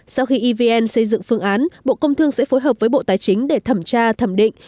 sau khi evn xây dựng phương án bộ công thương sẽ phối hợp với bộ tài chính để thẩm tra thẩm định